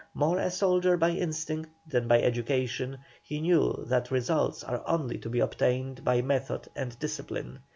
More a soldier by instinct than by education, he knew that results are only to be obtained by method and discipline.